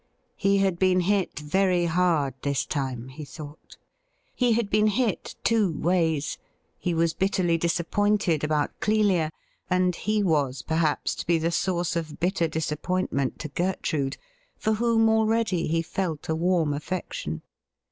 He had been hit very hard this time, he thought. He had been hit two ways — he was bitterly disappointed about Clelia, and he was, perhaps, to be the source of bitter disappointment to Gertrude, for whom already he felt a warm affection.